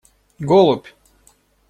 Голубь!